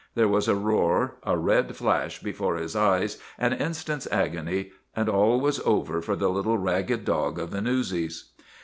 There was a roar, a red flash before his eyes, an instant's agony, and all was over for the little ragged dog of the newsies.